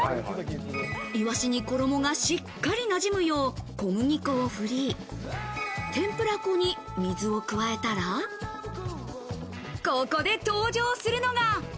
いわしに衣がしっかりなじむよう、小麦粉を振り、天ぷら粉に水を加えたら、ここで登場するのが。